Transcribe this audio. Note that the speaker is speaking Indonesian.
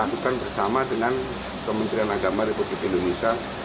lakukan bersama dengan kementerian agama republik indonesia